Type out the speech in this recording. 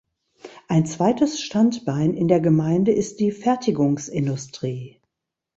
Ein zweites Standbein in der Gemeinde ist die Fertigungsindustrie.